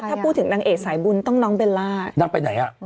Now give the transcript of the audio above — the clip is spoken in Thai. ถ้าพูดถึงนางเอกสายบุญต้องน้องเบลล่า